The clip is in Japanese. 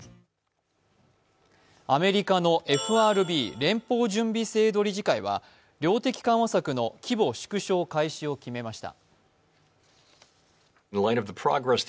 アメリカのＦＲＢ＝連邦準備制度理事会は量的緩和策の規模縮小開始を決めました。